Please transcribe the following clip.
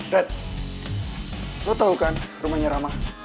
red lo tau kan rumahnya rama